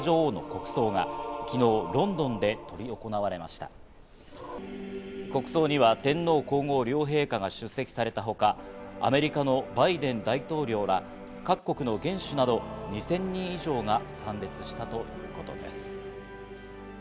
国葬には天皇皇后両陛下が出席されたほか、アメリカのバイデン大統領ら各国の元首など２０００人以上が参列したということです。